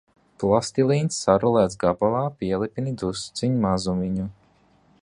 Plastilīns sarullēts gabalā, pielipini drusciņ mazumiņu.